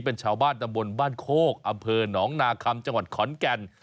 เป็นชาวบ้านตำบลบ้านโคกอำเภอหนองนาคัมจังหวัดขอนแก่น